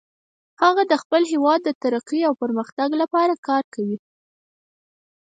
هغه د خپل هیواد د ترقۍ او پرمختګ لپاره کار کوي